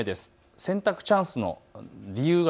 洗濯チャンスの理由は。